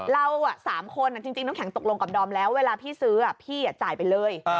เรา๓คนจริงน้ำแข็งตกลงกับดอมแล้วเวลาพี่ซื้อพี่จ่ายไปเลย